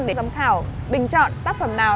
để giám khảo bình chọn tác phẩm nào